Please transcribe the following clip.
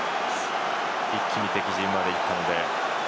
一気に敵陣まで行ったので。